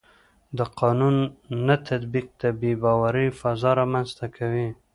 د قانون نه تطبیق د بې باورۍ فضا رامنځته کوي